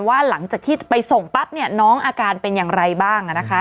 หลังจากที่ไปส่งปั๊บเนี่ยน้องอาการเป็นอย่างไรบ้าง